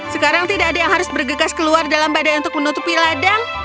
sekarang tidak ada yang harus bergegas keluar dalam badan untuk menutupi ladang